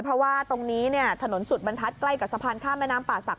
เพราะว่าตรงนี้เนี่ยถนนสุดบรรทัศน์ใกล้กับสะพานข้ามแม่น้ำป่าศักด